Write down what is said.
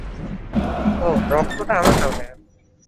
ওহ, রক্তটা আমার না, ভায়া।